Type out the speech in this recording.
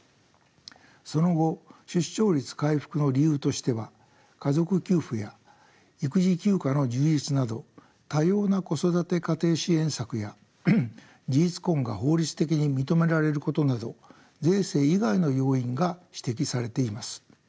その後出生率回復の理由としては家族給付や育児休暇の充実など多様な子育て家庭支援策や事実婚が法律的に認められることなど税制以外の要因が指摘されています。